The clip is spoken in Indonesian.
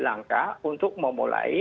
langkah untuk memulai